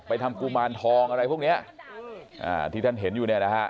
ทำกุมารทองอะไรพวกเนี้ยอ่าที่ท่านเห็นอยู่เนี่ยนะฮะ